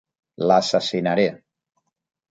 L'assassinaré.